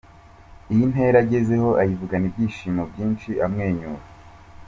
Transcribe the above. Iyi ntera agezeho ayivugana ibyishimo byinshi amwenyura.